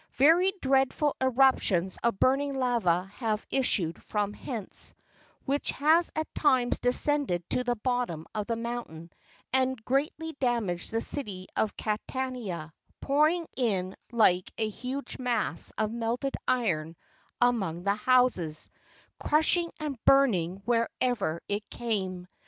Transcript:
Very dreadful eruptions of burning lava have issued from hence, which has at times descended to the bottom of the mountain, and greatly da¬ maged the city of Catania, pouring in like a huge mass of melted iron among the houses, crushing and burning wherever it came.